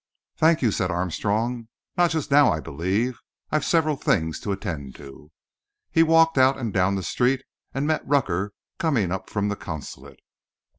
"Thank you," said Armstrong; "not just now, I believe. I've several things to attend to." He walked out and down the street, and met Rucker coming up from the Consulate.